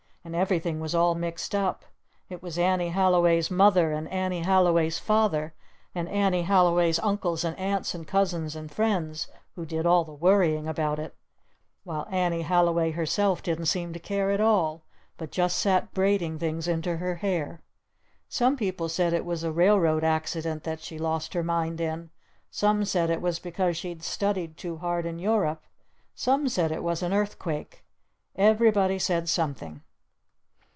And everything was all mixed up. It was Annie Halliway's mother and Annie Halliway's father and Annie Halliway's uncles and aunts and cousins and friends who did all the worrying about it! While Annie Halliway herself didn't seem to care at all! But just sat braiding things into her hair! Some people said it was a railroad accident that she lost her mind in. Some said it was because she'd studied too hard in Europe. Some said it was an earthquake. Everybody said something.